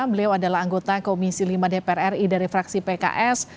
beliau adalah anggota komisi lima dpr ri dari fraksi pks